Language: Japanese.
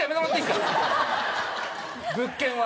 物件は。